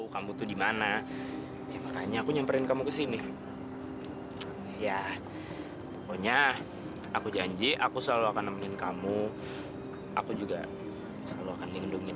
sampai jumpa di video selanjutnya